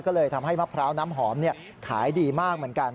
ก็เลยทำให้มะพร้าวน้ำหอมขายดีมากเหมือนกัน